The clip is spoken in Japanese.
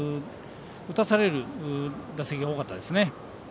打たされる打席が多かったですね。